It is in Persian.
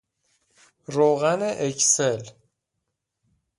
روغن اکسل